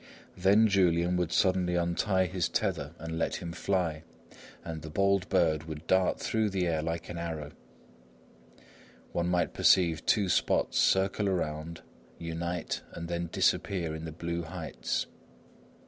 Then Julian would suddenly untie his tether and let him fly, and the bold bird would dart through the air like an arrow, One might perceive two spots circle around, unite, and then disappear in the blue heights.